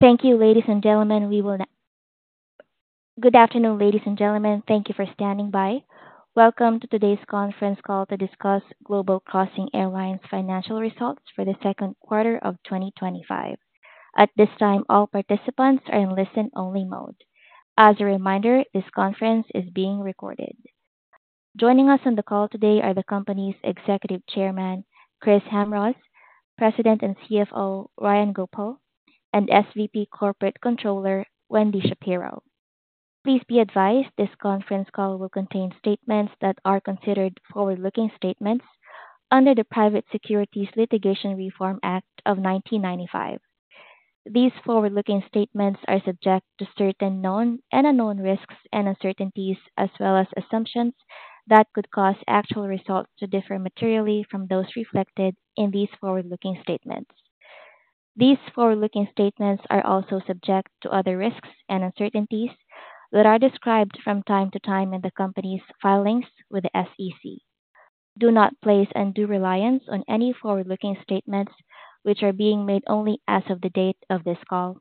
Thank you, ladies and gentlemen. Good afternoon, ladies and gentlemen. Thank you for standing by. Welcome to today's conference call to discuss Global Crossing Airlines Financial Results for the Second Quarter of 2025. At this time, all participants are in listen-only mode. As a reminder, this conference is being recorded. Joining us on the call today are the company's Executive Chairman, Chris Jamroz, President and CFO, Ryan Goepel, and SVP Corporate Controller, Wendy Shapiro. Please be advised this conference call will contain statements that are considered forward-looking statements under the Private Securities Litigation Reform Act of 1995. These forward-looking statements are subject to certain known and unknown risks and uncertainties, as well as assumptions that could cause actual results to differ materially from those reflected in these forward-looking statements. These forward-looking statements are also subject to other risks and uncertainties that are described from time to time in the company's filings with the SEC. Do not place undue reliance on any forward-looking statements, which are being made only as of the date of this call.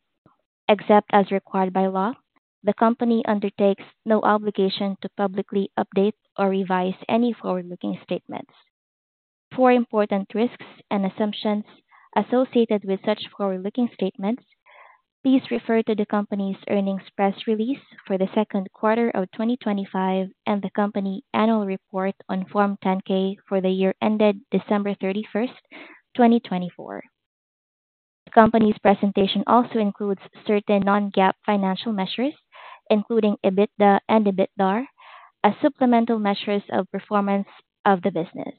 Except as required by law, the company undertakes no obligation to publicly update or revise any forward-looking statements. For important risks and assumptions associated with such forward-looking statements, please refer to the company's earnings press release for the second quarter of 2025 and the company annual report on Form 10-K for the year ended December 31st, 2024. The company's presentation also includes certain non-GAAP financial measures, including EBITDA and EBITDAR, as supplemental measures of performance of the business.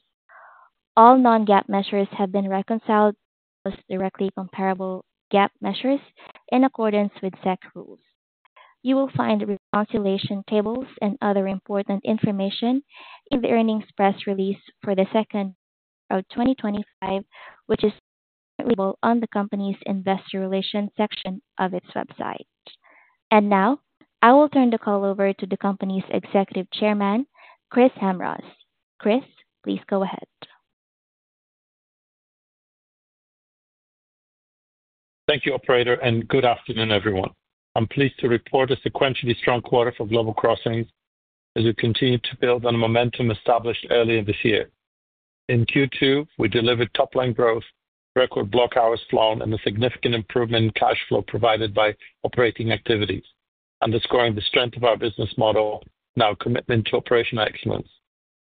All non-GAAP measures have been reconciled to those directly comparable GAAP measures in accordance with SEC rules. You will find reconciliation tables and other important information in the earnings press release for the second quarter of 2025, which is available on the company's Investor Relations section of its website. I will turn the call over to the company's Executive Chairman, Chris Jamroz. Chris, please go ahead. Thank you, Operator, and good afternoon, everyone. I'm pleased to report a sequentially strong quarter for Global Crossing Airlines Group Inc., as we continue to build on momentum established earlier this year. In Q2, we delivered top-line growth, record block hours flown, and a significant improvement in cash flow provided by operating activities, underscoring the strength of our business model and our commitment to operational excellence.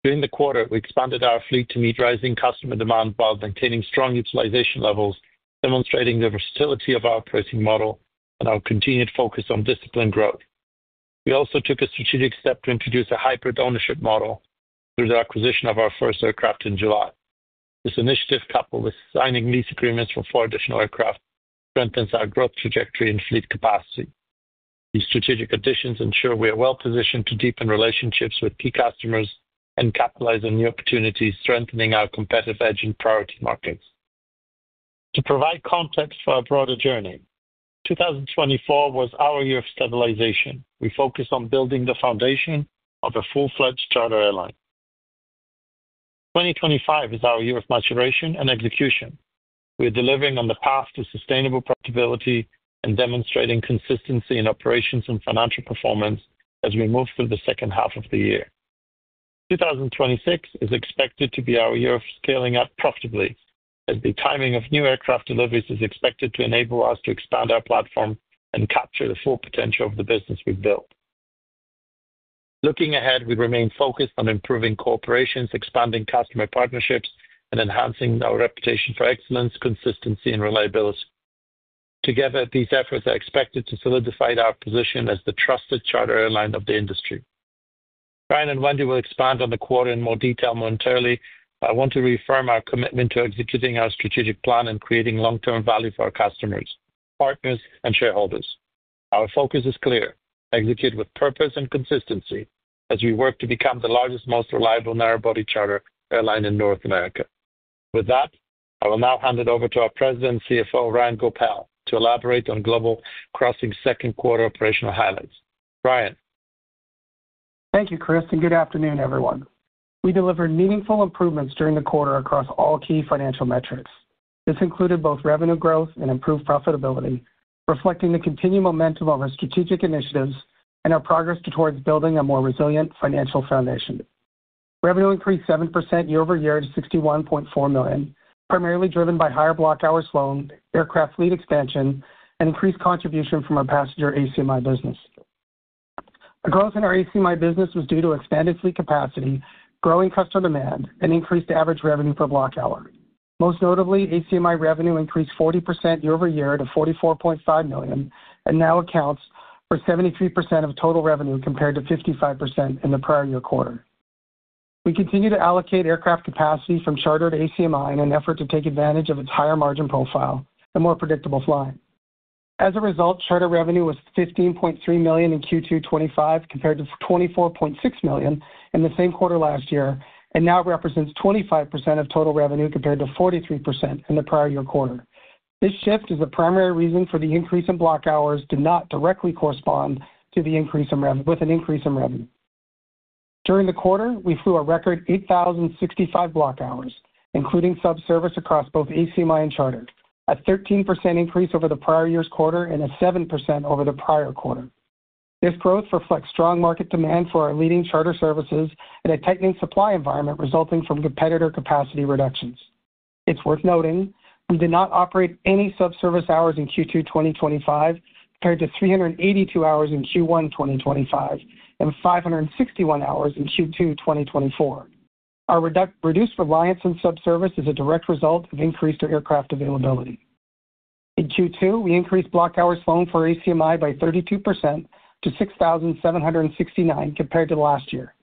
During the quarter, we expanded our fleet to meet rising customer demand while maintaining strong utilization levels, demonstrating the versatility of our operating model and our continued focus on disciplined growth. We also took a strategic step to introduce a hybrid ownership model through the acquisition of our first aircraft in July. This initiative, coupled with signing lease agreements for four additional aircraft, strengthens our growth trajectory and fleet capacity. These strategic additions ensure we are well positioned to deepen relationships with key customers and capitalize on new opportunities, strengthening our competitive edge in priority markets. To provide context for our broader journey, 2024 was our year of stabilization. We focused on building the foundation of a full-fledged charter airline. 2025 is our year of maturation and execution. We are delivering on the path to sustainable profitability and demonstrating consistency in operations and financial performance as we move through the second half of the year. 2026 is expected to be our year of scaling up profitably, as the timing of new aircraft deliveries is expected to enable us to expand our platform and capture the full potential of the business we've built. Looking ahead, we remain focused on improving core operations, expanding customer partnerships, and enhancing our reputation for excellence, consistency, and reliability. Together, these efforts are expected to solidify our position as the trusted charter airline of the industry. Ryan and Wendy will expand on the quarter in more detail momentarily, but I want to reaffirm our commitment to executing our strategic plan and creating long-term value for our customers, partners, and shareholders. Our focus is clear: execute with purpose and consistency, as we work to become the largest, most reliable, narrowbody charter airline in North America. With that, I will now hand it over to our President and CFO, Ryan Goepel, to elaborate on Global Crossing's second quarter operational highlights. Ryan? Thank you, Chris, and good afternoon, everyone. We delivered meaningful improvements during the quarter across all key financial metrics. This included both revenue growth and improved profitability, reflecting the continued momentum of our strategic initiatives and our progress towards building a more resilient financial foundation. Revenue increased 7% year-over-year to $61.4 million, primarily driven by higher block hours flown, aircraft fleet expansion, and increased contribution from our passenger ACMI business. Growth in our ACMI business was due to expanded fleet capacity, growing customer demand, and increased average revenue per block hour. Most notably, ACMI revenue increased 40% year-over-year to $44.5 million and now accounts for 73% of total revenue compared to 55% in the prior year quarter. We continue to allocate aircraft capacity from charter to ACMI in an effort to take advantage of its higher margin profile and more predictable flying. As a result, charter revenue was $15.3 million in Q2 2025 compared to $24.6 million in the same quarter last year, and now it represents 25% of total revenue compared to 43% in the prior year quarter. This shift is the primary reason for the increase in block hours that did not directly correspond with an increase in revenue. During the quarter, we flew a record 8,065 block hours, including subservice across both ACMI and charter, a 13% increase over the prior year's quarter and a 7% over the prior quarter. This growth reflects strong market demand for our leading charter services and a tightening supply environment resulting from competitor capacity reductions. It's worth noting we did not operate any subservice hours in Q2 2025 compared to 382 hours in Q1 2025 and 561 hours in Q2 2024. Our reduced reliance on subservice is a direct result of increased aircraft availability. In Q2, we increased block hours flown for ACMI by 32% to 6,769 compared to last year.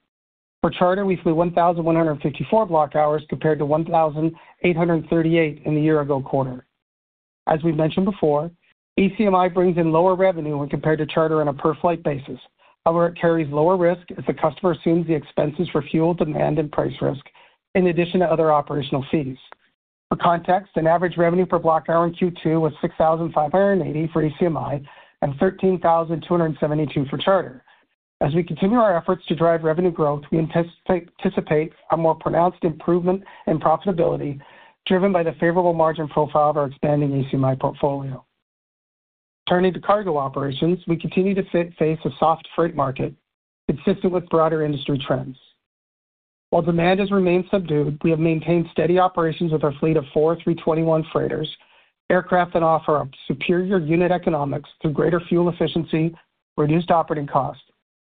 For charter, we flew 1,154 block hours compared to 1,838 in the year-ago quarter. As we mentioned before, ACMI brings in lower revenue when compared to charter on a per-flight basis; however, it carries lower risk as the customer assumes the expenses for fuel, demand, and price risk, in addition to other operational fees. For context, an average revenue per block hour in Q2 was $6,580 for ACMI and $13,272 for charter. As we continue our efforts to drive revenue growth, we anticipate a more pronounced improvement in profitability, driven by the favorable margin profile of our expanding ACMI portfolio. Turning to cargo operations, we continue to face a soft freight market, consistent with broader industry trends. While demand has remained subdued, we have maintained steady operations with our fleet of four A321 freighters, aircraft that offer superior unit economics through greater fuel efficiency, reduced operating costs,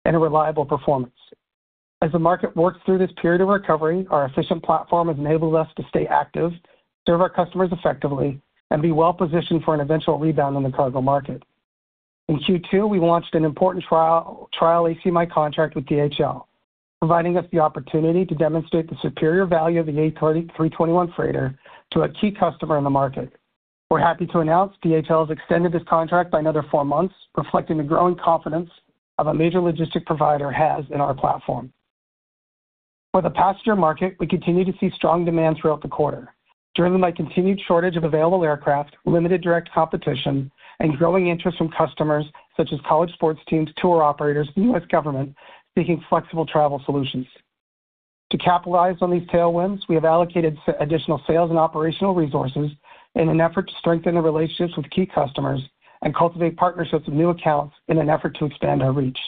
and a reliable performance. As the market works through this period of recovery, our efficient platform has enabled us to stay active, serve our customers effectively, and be well positioned for an eventual rebound in the cargo market. In Q2, we launched an important trial ACMI contract with DHL, providing us the opportunity to demonstrate the superior value of the A321 freighter to a key customer in the market. We're happy to announce DHL has extended this contract by another four months, reflecting the growing confidence a major logistics provider has in our platform. For the passenger market, we continue to see strong demand throughout the quarter, driven by a continued shortage of available aircraft, limited direct competition, and growing interest from customers such as college sports teams, tour operators, and the U.S. government seeking flexible travel solutions. To capitalize on these tailwinds, we have allocated additional sales and operational resources in an effort to strengthen our relationships with key customers and cultivate partnerships with new accounts in an effort to expand our reach.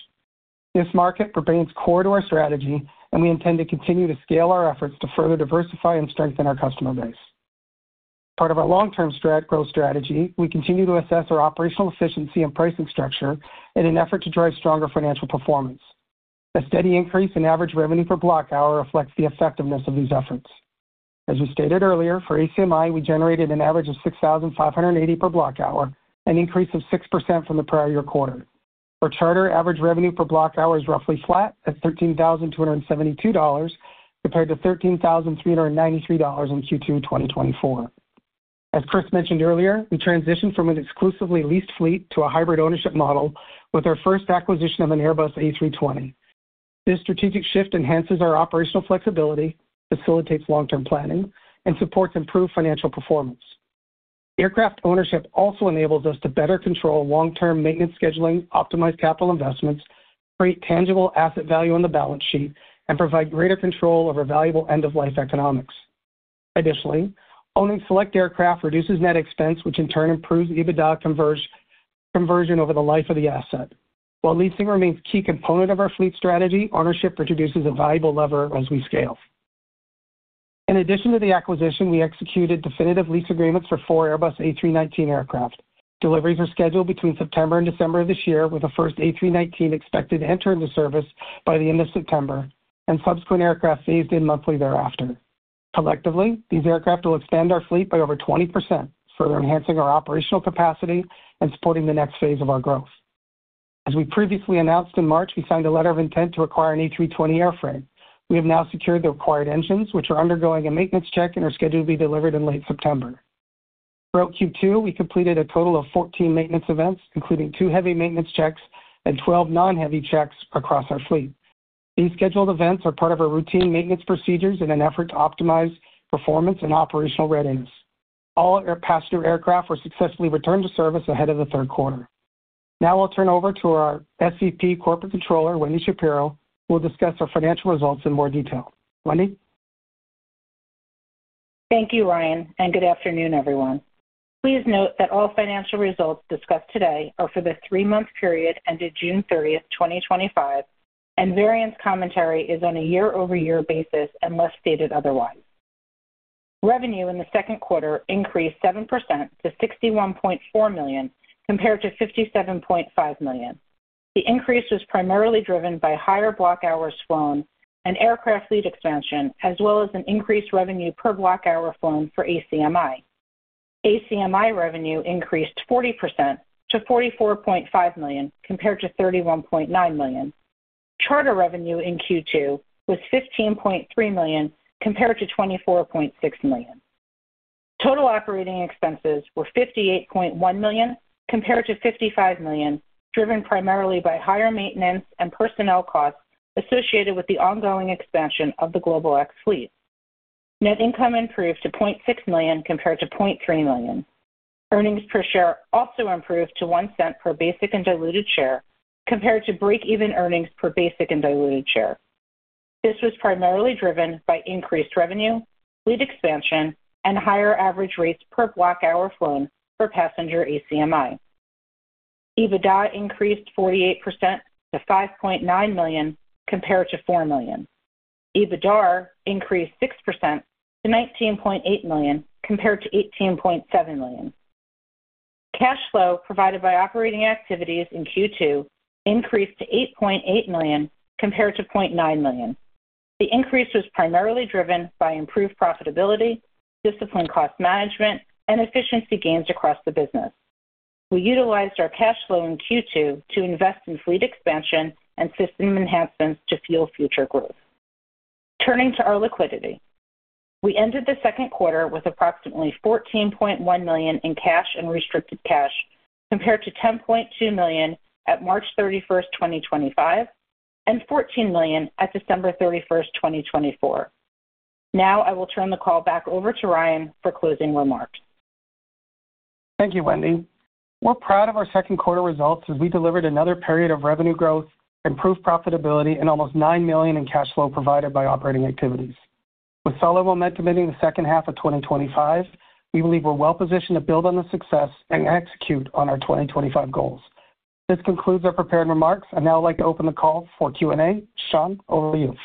This market remains core to our strategy, and we intend to continue to scale our efforts to further diversify and strengthen our customer base. Part of our long-term growth strategy, we continue to assess our operational efficiency and pricing structure in an effort to drive stronger financial performance. A steady increase in average revenue per block hour reflects the effectiveness of these efforts. As we stated earlier, for ACMI, we generated an average of $6,580 per block hour, an increase of 6% from the prior year quarter. For charter, average revenue per block hour is roughly flat at $13,272 compared to $13,393 in Q2 2024. As Chris mentioned earlier, we transitioned from an exclusively leased fleet to a hybrid ownership model with our first acquisition of an Airbus A320. This strategic shift enhances our operational flexibility, facilitates long-term planning, and supports improved financial performance. Aircraft ownership also enables us to better control long-term maintenance scheduling, optimize capital investments, create tangible asset value on the balance sheet, and provide greater control over valuable end-of-life economics. Additionally, owning select aircraft reduces net expense, which in turn improves EBITDA conversion over the life of the asset. While leasing remains a key component of our fleet strategy, ownership introduces a valuable lever as we scale. In addition to the acquisition, we executed definitive lease agreements for four Airbus A319 aircraft. Deliveries are scheduled between September and December of this year, with the first A319 expected to enter into service by the end of September, and subsequent aircraft phased in monthly thereafter. Collectively, these aircraft will expand our fleet by over 20%, further enhancing our operational capacity and supporting the next phase of our growth. As we previously announced in March, we signed a letter of intent to acquire an A320 airframe. We have now secured the required engines, which are undergoing a maintenance check and are scheduled to be delivered in late September. Throughout Q2, we completed a total of 14 maintenance events, including two heavy maintenance checks and 12 non-heavy checks across our fleet. These scheduled events are part of our routine maintenance procedures in an effort to optimize performance and operational readiness. All passenger aircraft were successfully returned to service ahead of the third quarter. Now, I'll turn over to our SVP Corporate Controller, Wendy Shapiro, who will discuss our financial results in more detail. Wendy? Thank you, Ryan, and good afternoon, everyone. Please note that all financial results discussed today are for the three-month period ended June 30th, 2025, and variance commentary is on a year-over-year basis unless stated otherwise. Revenue in the second quarter increased 7% to $61.4 million compared to $57.5 million. The increase was primarily driven by higher block hours flown and aircraft fleet expansion, as well as an increased revenue per block hour flown for ACMI. ACMI revenue increased 40% to $44.5 million compared to $31.9 million. Charter revenue in Q2 was $15.3 million compared to $24.6 million. Total operating expenses were $58.1 million compared to $55 million, driven primarily by higher maintenance and personnel costs associated with the ongoing expansion of the GlobalX fleet. Net income improved to $0.6 million compared to $0.3 million. Earnings per share also improved to $0.01 per basic and diluted share compared to break-even earnings per basic and diluted share. This was primarily driven by increased revenue, fleet expansion, and higher average rates per block hour flown for passenger ACMI. EBITDA increased 48% to $5.9 million compared to $4 million. EBITDAR increased 6% to $19.8 million compared to $18.7 million. Cash flow provided by operating activities in Q2 increased to $8.8 million compared to $0.9 million. The increase was primarily driven by improved profitability, disciplined cost management, and efficiency gains across the business. We utilized our cash flow in Q2 to invest in fleet expansion and system enhancements to fuel future growth. Turning to our liquidity, we ended the second quarter with approximately $14.1 million in cash and restricted cash compared to $10.2 million at March 31st, 2025, and $14 million at December 31st, 2024. Now, I will turn the call back over to Ryan for closing remarks. Thank you, Wendy. We're proud of our second quarter results as we delivered another period of revenue growth, improved profitability, and almost $9 million in cash flow provided by operating activities. With solid momentum ending the second half of 2025, we believe we're well positioned to build on the success and execute on our 2025 goals. This concludes our prepared remarks, and now I'd like to open the call for Q&A. Sean, over to you.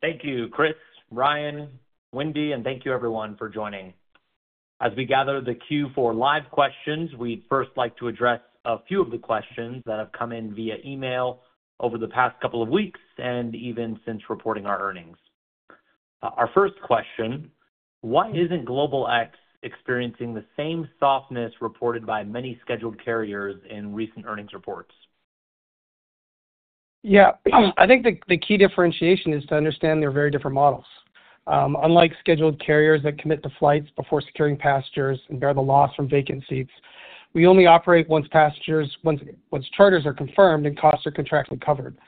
Thank you, Chris, Ryan, Wendy, and thank you, everyone, for joining. As we gather the queue for live questions, we'd first like to address a few of the questions that have come in via email over the past couple of weeks and even since reporting our earnings. Our first question: Why isn't GlobalX experiencing the same softness reported by many scheduled carriers in recent earnings reports? Yeah, I think the key differentiation is to understand they're very different models. Unlike scheduled carriers that commit to flights before securing passengers and bear the loss from vacant seats, we only operate once charters are confirmed and costs are contractually covered.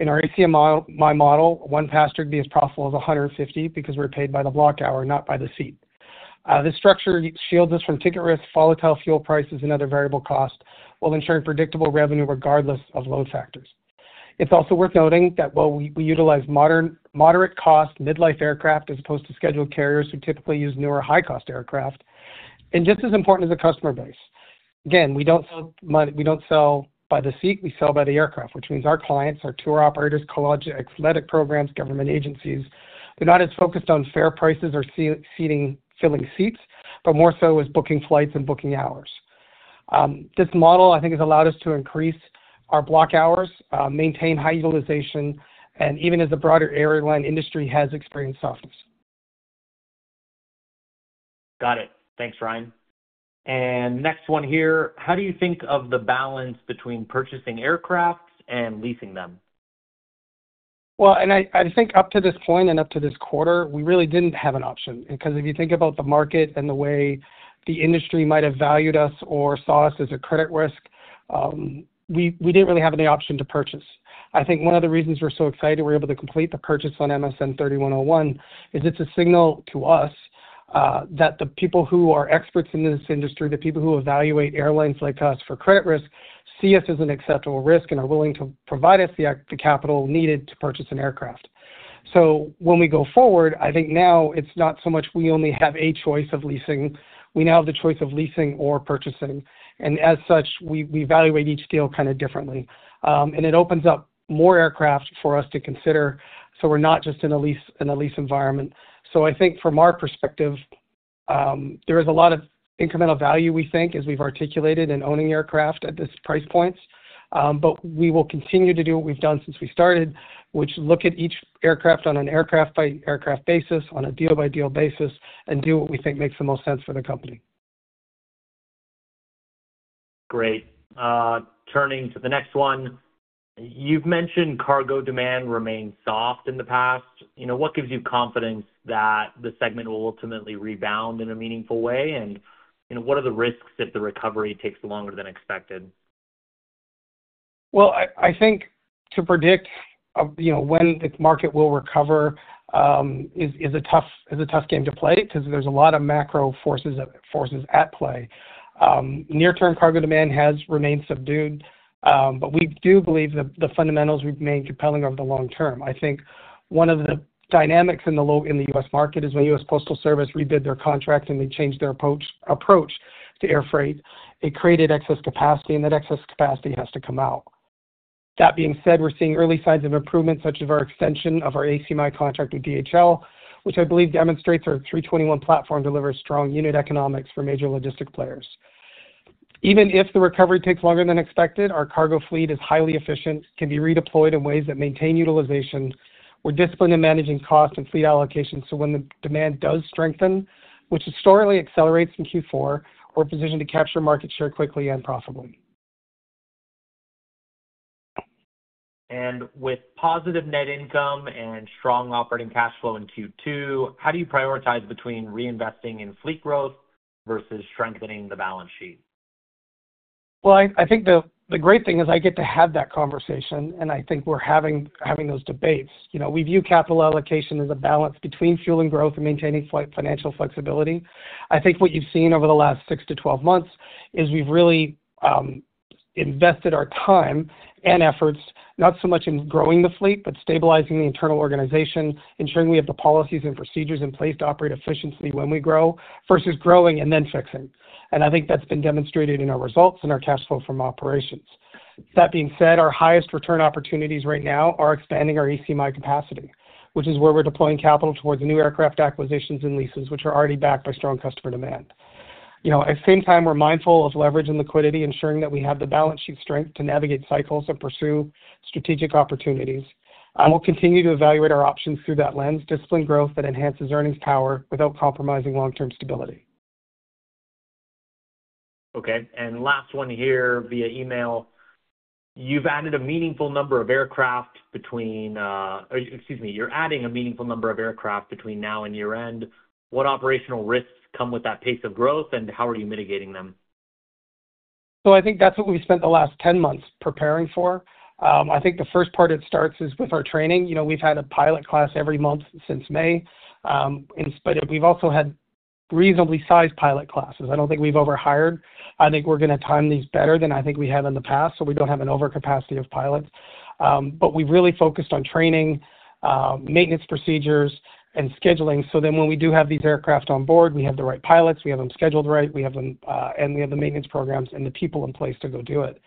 In our ACMI model, one passenger can be as profitable as $150 because we're paid by the block hour, not by the seat. This structure shields us from ticket risk, volatile fuel prices, and other variable costs while ensuring predictable revenue regardless of load factors. It's also worth noting that while we utilize moderate-cost, mid-life aircraft as opposed to scheduled carriers who typically use newer, high-cost aircraft, and just as important is the customer base. Again, we don't sell by the seat; we sell by the aircraft, which means our clients, our tour operators, college athletic programs, and government agencies, they're not as focused on fare prices or filling seats, but more so with booking flights and booking hours. This model, I think, has allowed us to increase our block hours, maintain high utilization, even as the broader airline industry has experienced softness. Got it. Thanks, Ryan. Next one here: How do you think of the balance between purchasing aircraft and leasing them? I think up to this point and up to this quarter, we really didn't have an option because if you think about the market and the way the industry might have valued us or saw us as a credit risk, we didn't really have any option to purchase. I think one of the reasons we're so excited we're able to complete the purchase on MSN 3101 is it's a signal to us that the people who are experts in this industry, the people who evaluate airlines like us for credit risk, see us as an acceptable risk and are willing to provide us the capital needed to purchase an aircraft. When we go forward, I think now it's not so much we only have a choice of leasing; we now have the choice of leasing or purchasing. As such, we evaluate each deal kind of differently. It opens up more aircraft for us to consider, so we're not just in a lease environment. I think from our perspective, there is a lot of incremental value, we think, as we've articulated in owning aircraft at this price point. We will continue to do what we've done since we started, which is look at each aircraft on an aircraft-by-aircraft basis, on a deal-by-deal basis, and do what we think makes the most sense for the company. Great. Turning to the next one, you've mentioned cargo demand remained soft in the past. What gives you confidence that the segment will ultimately rebound in a meaningful way? What are the risks if the recovery takes longer than expected? I think to predict, you know, when the market will recover is a tough game to play because there's a lot of macro forces at play. Near-term cargo demand has remained subdued, but we do believe that the fundamentals remain compelling over the long term. I think one of the dynamics in the U.S. market is when U.S. Postal Service rebid their contract and they changed their approach to air freight, it created excess capacity, and that excess capacity has to come out. That being said, we're seeing early signs of improvement, such as our extension of our ACMI contract with DHL, which I believe demonstrates our A321 platform delivers strong unit economics for major logistics players. Even if the recovery takes longer than expected, our cargo fleet is highly efficient, can be redeployed in ways that maintain utilization. We're disciplined in managing cost and fleet allocation so when the demand does strengthen, which historically accelerates in Q4, we're positioned to capture market share quickly and profitably. With positive net income and strong operating cash flow in Q2, how do you prioritize between reinvesting in fleet growth versus strengthening the balance sheet? I think the great thing is I get to have that conversation, and I think we're having those debates. You know, we view capital allocation as a balance between fueling growth and maintaining financial flexibility. I think what you've seen over the last 6 to 12 months is we've really invested our time and efforts not so much in growing the fleet, but stabilizing the internal organization, ensuring we have the policies and procedures in place to operate efficiently when we grow versus growing and then fixing. I think that's been demonstrated in our results and our cash flow from operations. That being said, our highest return opportunities right now are expanding our ACMI capacity, which is where we're deploying capital towards new aircraft acquisitions and leases, which are already backed by strong customer demand. At the same time, we're mindful of leverage and liquidity, ensuring that we have the balance sheet strength to navigate cycles and pursue strategic opportunities. We'll continue to evaluate our options through that lens, discipline growth that enhances earnings power without compromising long-term stability. Okay. Last one here via email: You've added a meaningful number of aircraft between now and year-end. What operational risks come with that pace of growth, and how are you mitigating them? I think that's what we spent the last 10 months preparing for. I think the first part it starts is with our training. We've had a pilot class every month since May, and we've also had reasonably sized pilot classes. I don't think we've overhired. I think we're going to time these better than I think we have in the past, so we don't have an overcapacity of pilots. We've really focused on training, maintenance procedures, and scheduling so when we do have these aircraft on board, we have the right pilots, we have them scheduled right, we have them, and we have the maintenance programs and the people in place to go do it.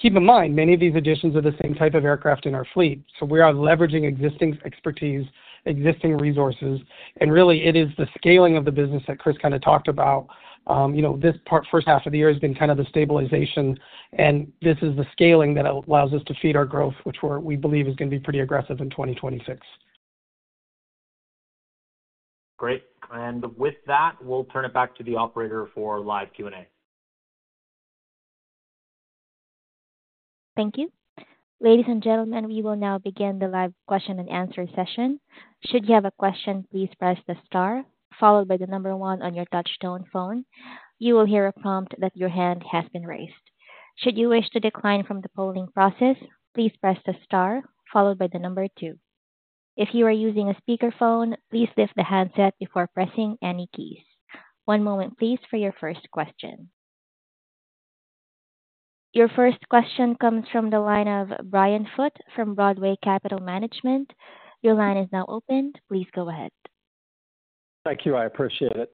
Keep in mind, many of these additions are the same type of aircraft in our fleet. We are leveraging existing expertise, existing resources, and really, it is the scaling of the business that Chris kind of talked about. This first half of the year has been kind of the stabilization, and this is the scaling that allows us to feed our growth, which we believe is going to be pretty aggressive in 2026. Great. With that, we'll turn it back to the operator for live Q&A. Thank you. Ladies and gentlemen, we will now begin the live question and answer session. Should you have a question, please press the star, followed by the number one on your touch-tone phone. You will hear a prompt that your hand has been raised. Should you wish to decline from the polling process, please press the star, followed by the number two. If you are using a speakerphone, please lift the handset before pressing any keys. One moment, please, for your first question. Your first question comes from the line of Brian Foote from Broadway Capital Management. Your line is now open. Please go ahead. Thank you. I appreciate it.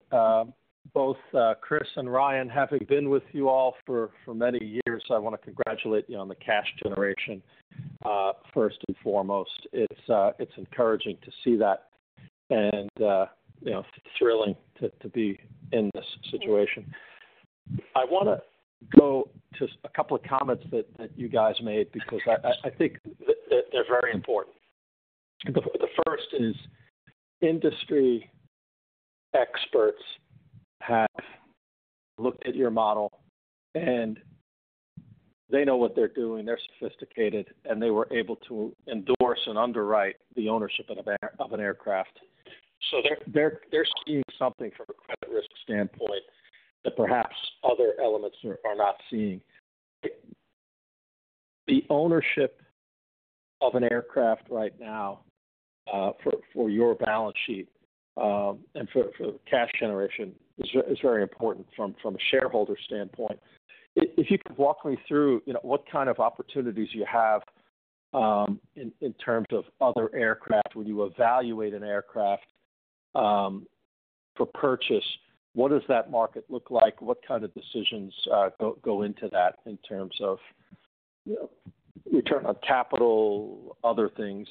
Both Chris and Ryan, having been with you all for many years, I want to congratulate you on the cash generation, first and foremost. It's encouraging to see that, and it's thrilling to be in this situation. I want to go to a couple of comments that you guys made because I think they're very important. The first is industry experts have looked at your model, and they know what they're doing. They're sophisticated, and they were able to endorse and underwrite the ownership of an aircraft. They're seeing something from a credit risk standpoint that perhaps other elements are not seeing. The ownership of an aircraft right now for your balance sheet and for cash generation is very important from a shareholder standpoint. If you could walk me through what kind of opportunities you have in terms of other aircraft when you evaluate an aircraft for purchase, what does that market look like? What kind of decisions go into that in terms of return on capital, other things?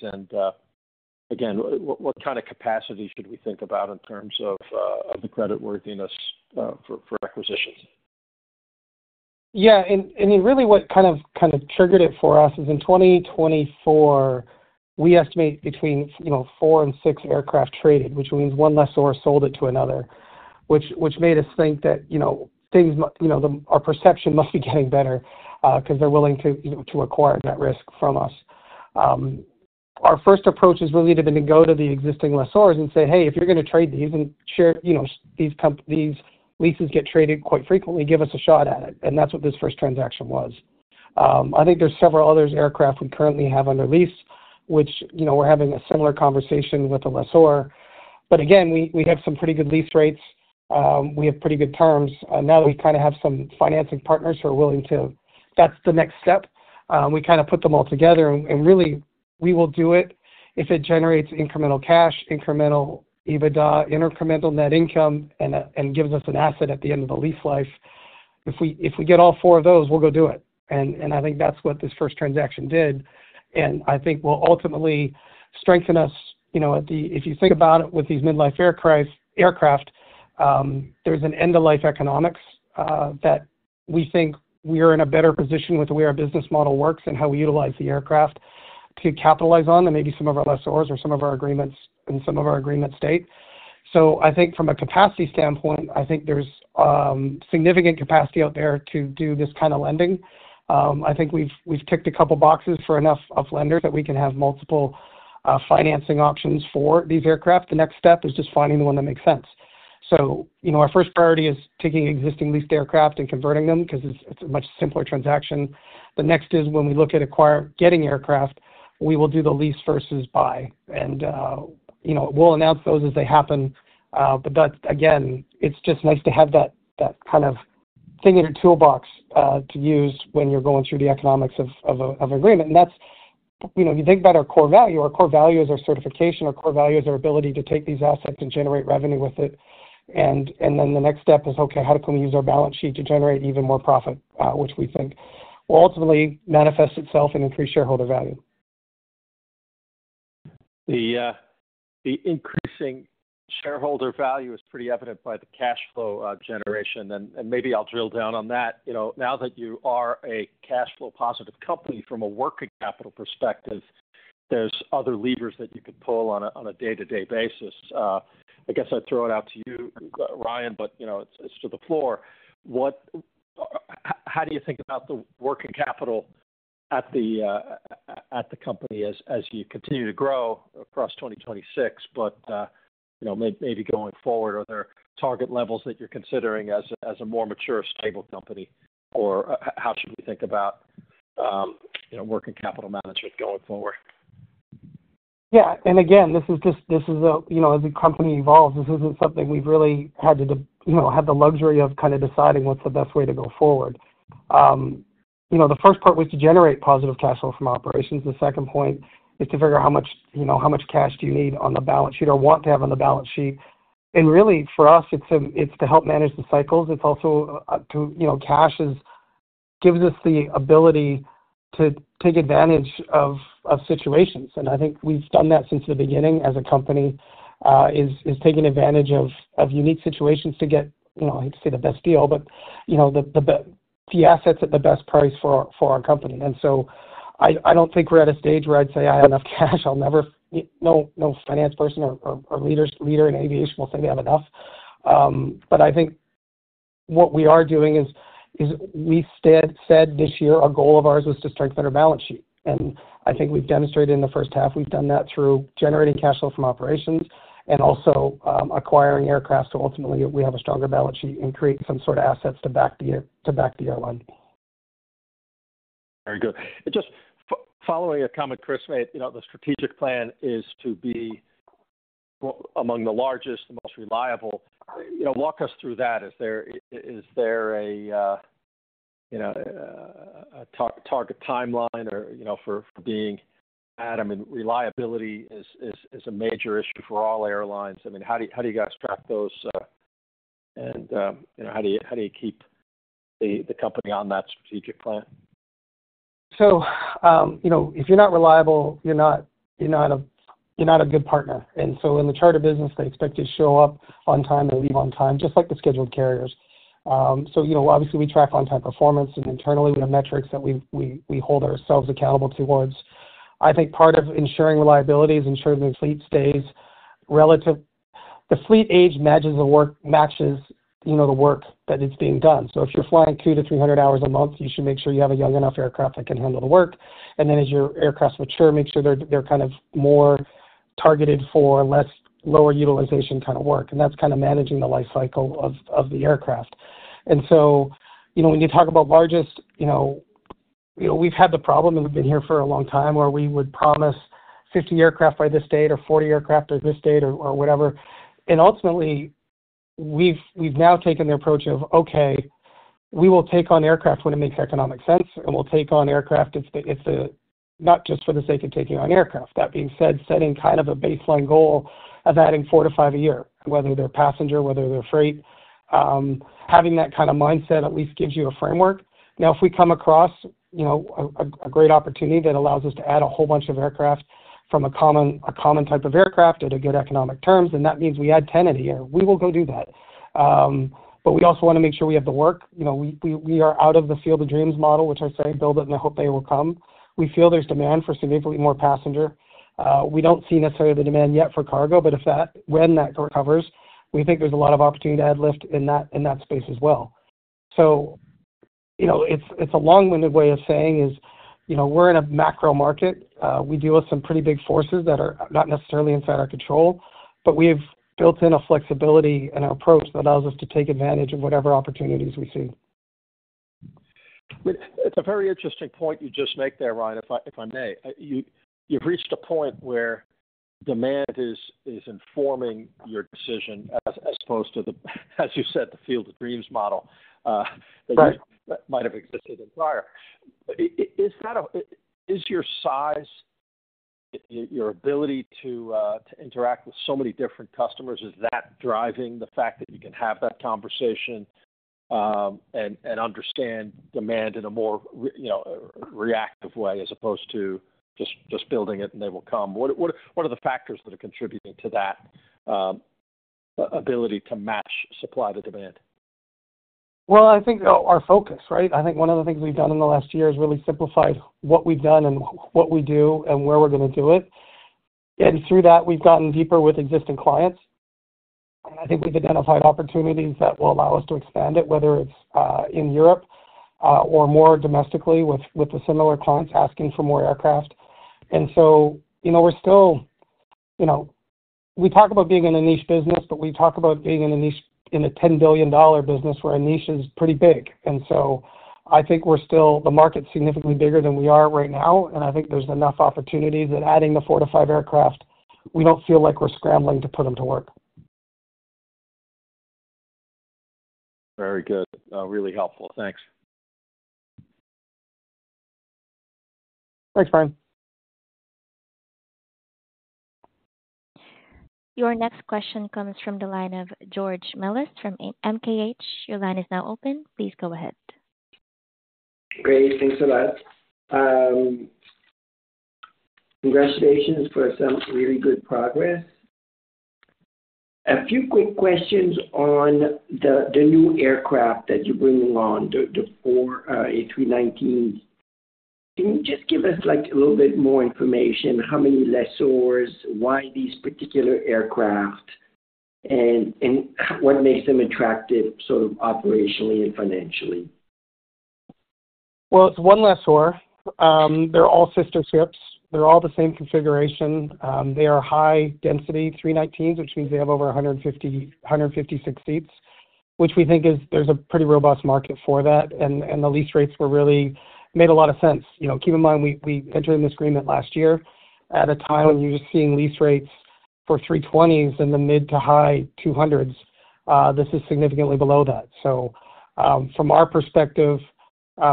What kind of capacities could we think about in terms of the creditworthiness for acquisitions? Yeah. What kind of triggered it for us is in 2024, we estimate between, you know, four and six aircraft traded, which means one lessor sold it to another, which made us think that, you know, our perception must be getting better because they're willing to acquire that risk from us. Our first approach is really to go to the existing lessors and say, "Hey, if you're going to trade these and share, you know, these leases get traded quite frequently, give us a shot at it." That's what this first transaction was. I think there's several other aircraft we currently have under lease, which, you know, we're having a similar conversation with a lessor. We have some pretty good lease rates. We have pretty good terms. Now that we have some financing partners who are willing to, that's the next step. We put them all together, and we will do it if it generates incremental cash, incremental EBITDA, and incremental net income and gives us an asset at the end of the lease life. If we get all four of those, we'll go do it. I think that's what this first transaction did. I think it will ultimately strengthen us. If you think about it with these mid-life aircraft, there's an end-of-life economics that we think we are in a better position with the way our business model works and how we utilize the aircraft to capitalize on than maybe some of our lessors or some of our agreements. Some of our agreements date. I think from a capacity standpoint, there's significant capacity out there to do this kind of lending. I think we've ticked a couple of boxes for enough lenders that we can have multiple financing options for these aircraft. The next step is just finding the one that makes sense. Our first priority is taking existing leased aircraft and converting them because it's a much simpler transaction. The next is when we look at getting aircraft, we will do the lease versus buy. We'll announce those as they happen. It's just nice to have that kind of thing in your toolbox to use when you're going through the economics of an agreement. You think about our core value. Our core value is our certification. Our core value is our ability to take these assets and generate revenue with it. The next step is, okay, how can we use our balance sheet to generate even more profit, which we think will ultimately manifest itself in increased shareholder value. The increasing shareholder value is pretty evident by the cash flow generation. Maybe I'll drill down on that. Now that you are a cash flow positive company from a working capital perspective, there's other levers that you could pull on a day-to-day basis. I guess I'd throw it out to you, Ryan, but it's to the floor. How do you think about the working capital at the company as you continue to grow across 2026? Maybe going forward, are there target levels that you're considering as a more mature, stable company? How should we think about working capital management going forward? Yeah. This is just, you know, as the company evolves, this isn't something we've really had the luxury of kind of deciding what's the best way to go forward. The first part was to generate positive cash flow from operations. The second point is to figure out how much cash do you need on the balance sheet or want to have on the balance sheet. Really, for us, it's to help manage the cycles. It's also to, you know, cash gives us the ability to take advantage of situations. I think we've done that since the beginning as a company, taking advantage of unique situations to get, you know, I hate to say the best deal, but the assets at the best price for our company. I don't think we're at a stage where I'd say I have enough cash. I'll never, no finance person or leader in aviation will say they have enough. What we are doing is we said this year our goal was to strengthen our balance sheet. I think we've demonstrated in the first half we've done that through generating cash flow from operations and also acquiring aircraft so ultimately we have a stronger balance sheet and create some sort of assets to back the airline. Very good. Just following a comment Chris made, the strategic plan is to be among the largest, the most reliable. Walk us through that. Is there a target timeline for being? Reliability is a major issue for all airlines. How do you guys track those? How do you keep the company on that strategic plan? If you're not reliable, you're not a good partner. In the charter business, they expect you to show up on time and leave on time, just like the scheduled carriers. Obviously, we track on-time performance, and internally, we have metrics that we hold ourselves accountable towards. I think part of ensuring reliability is ensuring the fleet stays relative. The fleet age matches the work, the work that is being done. If you're flying 200-300 hours a month, you should make sure you have a young enough aircraft that can handle the work. As your aircraft mature, make sure they're kind of more targeted for less lower utilization kind of work. That's kind of managing the life cycle of the aircraft. When you talk about largest, we've had the problem, and we've been here for a long time, where we would promise 50 aircraft by this date or 40 aircraft at this date or whatever. Ultimately, we've now taken the approach of, okay, we will take on aircraft when it makes economic sense, and we'll take on aircraft. It's not just for the sake of taking on aircraft. That being said, setting kind of a baseline goal of adding four to five a year, whether they're passenger, whether they're freight, having that kind of mindset at least gives you a framework. If we come across a great opportunity that allows us to add a whole bunch of aircraft from a common type of aircraft at good economic terms, then that means we add 10 a year. We will go do that. We also want to make sure we have the work. We are out of the field of dreams model, which I say build it, and I hope they will come. We feel there's demand for significantly more passenger. We don't see necessarily the demand yet for cargo, but if that, when that door covers, we think there's a lot of opportunity to add lift in that space as well. It's a long-winded way of saying we're in a macro market. We deal with some pretty big forces that are not necessarily inside our control, but we have built in a flexibility and an approach that allows us to take advantage of whatever opportunities we see. It's a very interesting point you just make there, Ryan, if I may. You've reached a point where demand is informing your decision as opposed to the, as you said, the field of dreams model that you might have existed in prior. Is that, is your size, your ability to interact with so many different customers, driving the fact that you can have that conversation and understand demand in a more, you know, reactive way as opposed to just building it and they will come? What are the factors that are contributing to that ability to match supply to demand? I think our focus, right? I think one of the things we've done in the last year is really simplified what we've done and what we do and where we're going to do it. Through that, we've gotten deeper with existing clients. I think we've identified opportunities that will allow us to expand it, whether it's in Europe or more domestically with the similar clients asking for more aircraft. You know, we talk about being in a niche business, but we talk about being in a niche in a $10 billion business where a niche is pretty big. I think we're still, the market's significantly bigger than we are right now. I think there's enough opportunity that adding the four to five aircraft, we don't feel like we're scrambling to put them to work. Very good. Really helpful. Thanks. Thanks, Brian. Your next question comes from the line of George Melas from MKH. Your line is now open. Please go ahead. Great. Thanks a lot. Congratulations for some really good progress. A few quick questions on the new aircraft that you're bringing on, the four A319s. Can you just give us like a little bit more information? How many lessors, why these particular aircraft, and what makes them attractive sort of operationally and financially? It is one lessor. They're all sister ships. They're all the same configuration. They are high-density A319s, which means they have over 156 seats, which we think is there's a pretty robust market for that. The lease rates really made a lot of sense. You know, keep in mind, we entered an agreement last year at a time when you're just seeing lease rates for A320s in the mid to high $200,000s. This is significantly below that. From our perspective,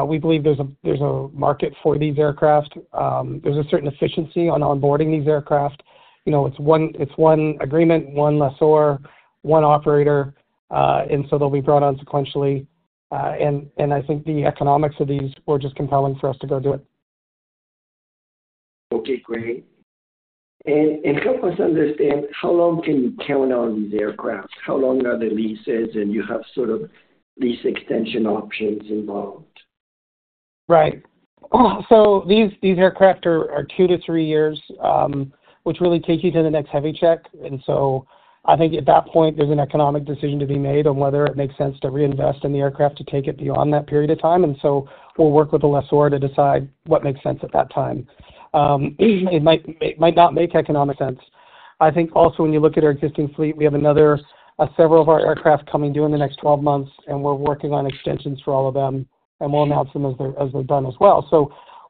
we believe there's a market for these aircraft. There's a certain efficiency on onboarding these aircraft. You know, it's one agreement, one lessor, one operator, and they'll be brought on sequentially. I think the economics of these were just compelling for us to go do it. Okay, great. Help us understand how long can you count on these aircraft? How long are the leases, and you have sort of lease extension options involved? Right. These aircraft are two to three years, which really takes you to the next heavy check. At that point, there's an economic decision to be made on whether it makes sense to reinvest in the aircraft to take it beyond that period of time. We'll work with the lessor to decide what makes sense at that time. It might not make economic sense. Also, when you look at our existing fleet, we have another several of our aircraft coming due in the next 12 months, and we're working on extensions for all of them. We'll announce them as they're done as well.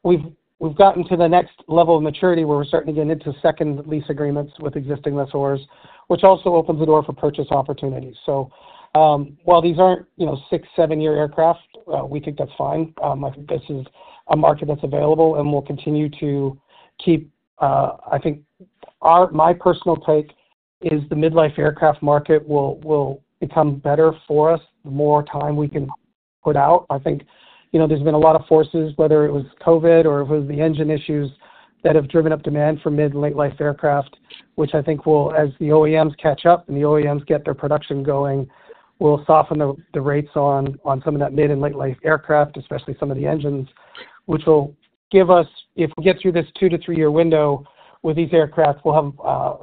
We've gotten to the next level of maturity where we're starting to get into second lease agreements with existing lessors, which also opens the door for purchase opportunities. While these aren't, you know, six, seven-year aircraft, we think that's fine. This is a market that's available, and we'll continue to keep, I think my personal take is the mid-life aircraft market will become better for us the more time we can put out. There's been a lot of forces, whether it was COVID or if it was the engine issues that have driven up demand for mid and late-life aircraft, which I think will, as the OEMs catch up and the OEMs get their production going, soften the rates on some of that mid and late-life aircraft, especially some of the engines, which will give us, if we get through this two to three-year window with these aircraft,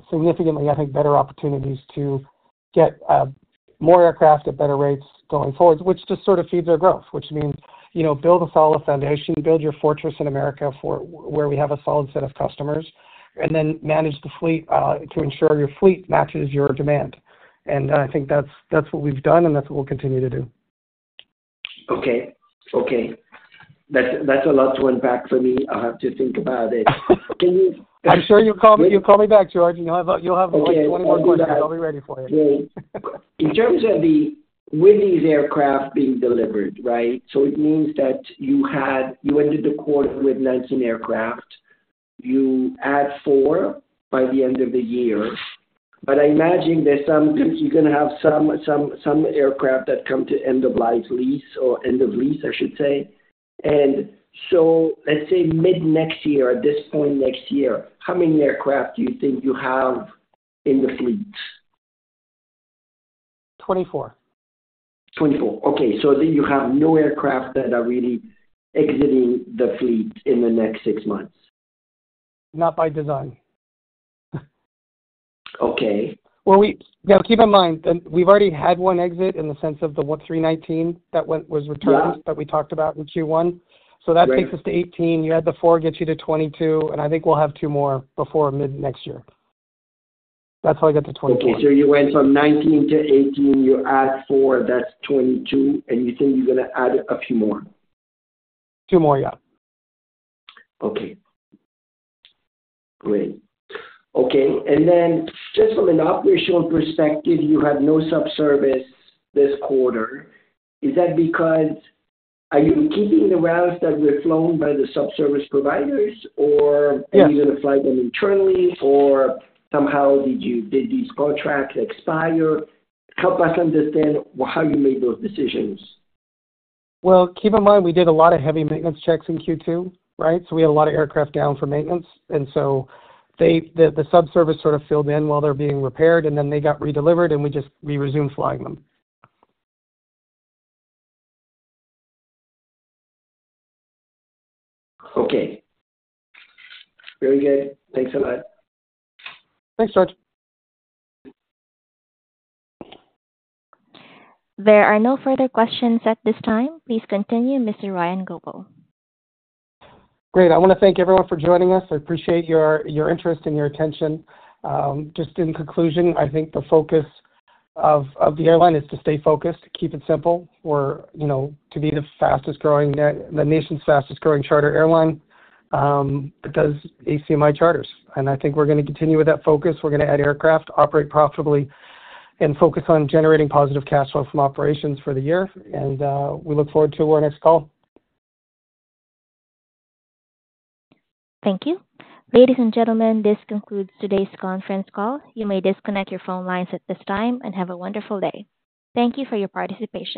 significantly, I think, better opportunities to get more aircraft at better rates going forward, which just sort of feeds our growth, which means build a solid foundation, build your fortress in America for where we have a solid set of customers, and then manage the fleet to ensure your fleet matches your demand. I think that's what we've done, and that's what we'll continue to do. Okay. That's a lot to unpack for me. I'll have to think about it. Can you? I'm sure you'll call me back, George. You'll have like 20 more questions. I'll be ready for you. You just have with these aircraft being delivered, right? It means that you ended the quarter with 19 aircraft. You add four by the end of the year. I imagine there's some, you're going to have some aircraft that come to end-of-lease. Let's say mid-next year, at this point next year, how many aircraft do you think you have in the fleet? 24. Okay. You have no aircraft that are really exiting the fleet in the next six months? Not by design. Okay. Keep in mind that we've already had one exit in the sense of the A319 that was returned that we talked about in Q1. That takes us to 18. You add the four, gets you to 22. I think we'll have two more before mid-next year. That's how we get to 22. Okay. You went from 19 to 18. You add four, that's 22, and you think you're going to add a few more? Two more, yeah. Okay. Great. Okay. Just from an operational perspective, you had no subservice this quarter. Is that because you are keeping the routes that were flown by the subservice providers, or are you going to flag them internally, or did these contracts expire? Help us understand how you made those decisions. Keep in mind, we did a lot of heavy maintenance checks in Q2, right? We had a lot of aircraft down for maintenance, and the subservice sort of filled in while they're being repaired, and then they got redelivered, and we just resumed flying them. Okay, very good. Thanks a lot. Thanks, George. There are no further questions at this time. Please continue, Mr. Ryan Goepel. Great. I want to thank everyone for joining us. I appreciate your interest and your attention. In conclusion, I think the focus of the airline is to stay focused, keep it simple. We're to be the fastest growing, the nation's fastest growing charter airline that does ACMI charters. I think we're going to continue with that focus. We're going to add aircraft, operate profitably, and focus on generating positive cash flow from operations for the year. We look forward to our next call. Thank you. Ladies and gentlemen, this concludes today's conference call. You may disconnect your phone lines at this time and have a wonderful day. Thank you for your participation.